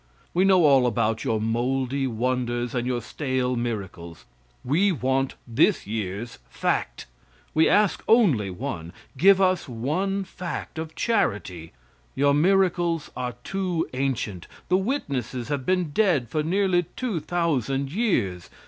We know all about your moldy wonders and your stale miracles. We want this year's fact. We ask only one. Give us one fact of charity. Your miracles are too ancient. The witnesses have been dead for nearly two thousand years.